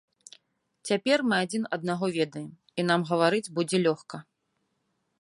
Цяпер мы адзін аднаго ведаем, і нам гаварыць будзе лёгка.